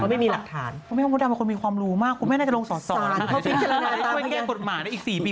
ไม่มีอะไรเลยเพราะเราไม่หืดทานผมไม่